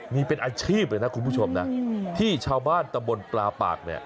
นี่เป็นอาชีพเลยนะคุณผู้ชมนะที่ชาวบ้านตำบลปลาปากเนี่ย